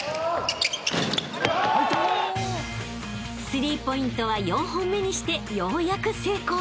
［スリーポイントは４本目にしてようやく成功］